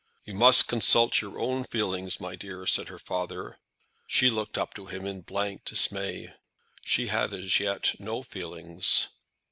"You must consult your own feelings, my dear," said her father. She looked up to him in blank dismay. She had as yet no feelings.